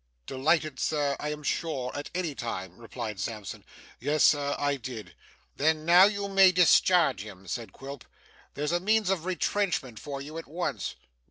'Delighted, sir, I am sure, at any time,' replied Sampson. 'Yes, Sir, I did.' 'Then now you may discharge him,' said Quilp. 'There's a means of retrenchment for you at once.